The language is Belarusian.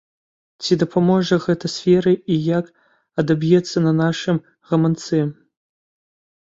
Ці дапаможа гэта сферы і як адаб'ецца на нашым гаманцы?